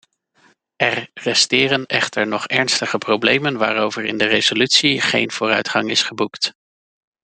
Er resteren echter nog ernstige problemen waarover in de resolutie geen vooruitgang is geboekt.